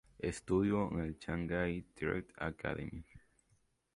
Estudió en el "Shanghai Theatre Academy".